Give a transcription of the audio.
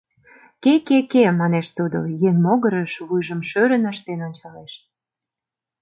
«Ке-ке-ке», — манеш тудо, еҥ могырыш вуйжым шӧрын ыштен ончалеш.